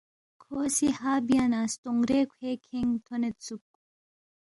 کھو سی ہا بیا نہ ستونگ رے کھوے کھینگ تھونیدسُوک